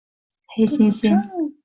黑猩猩。